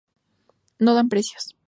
No dan precios.